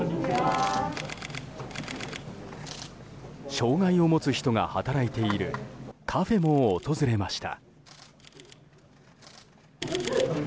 障害を持つ人も働いているカフェも訪れました。